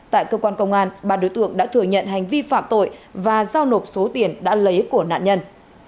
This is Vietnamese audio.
tại cơ quan công an ba đối tượng đã thừa nhận hành vi phạm tội và giao nộp số tiền đã lấy của nạn nhân